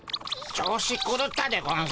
調子くるったでゴンス。